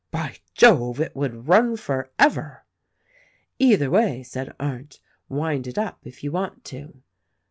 "By jove ! it would run forever." "Either way," said Arndt ; "wind it up, if you want to."